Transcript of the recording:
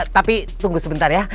tapi tunggu sebentar ya